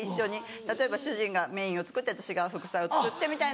例えば主人がメインを作って私が副菜を作ってみたいな。